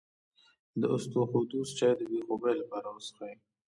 د اسطوخودوس چای د بې خوبۍ لپاره وڅښئ